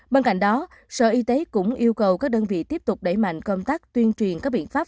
bên cạnh đó sở y tế cũng yêu cầu các đơn vị tiếp tục đẩy mạnh công tác tuyên truyền các biện pháp